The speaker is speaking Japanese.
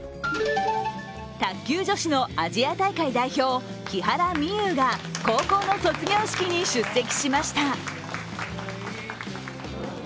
卓球女子のアジア大会代表・木原美悠が高校の卒業式に出席しました。